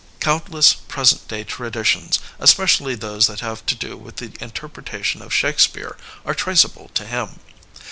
Countless present day traditions, especially those that have to do with the interpretation of Shake speare, are traceable to him.